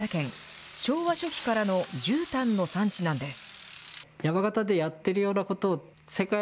実は山形県、昭和初期からのじゅうたんの産地なんです。